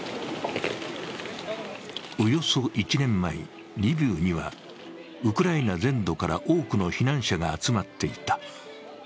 およそ１年前、リビウにはウクライナ全土から多くの避難者が集まっていた。